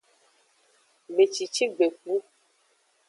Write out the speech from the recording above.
Gbecici gbegbu.